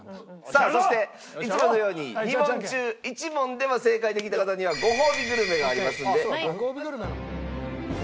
さあそしていつものように２問中１問でも正解できた方にはごほうびグルメがありますので。